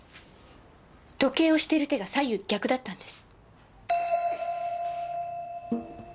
時計をしている手が左右逆だったんです。